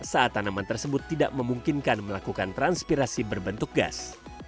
saat tanaman tersebut tidak memungkinkan melakukan transpirasi berbentuk gas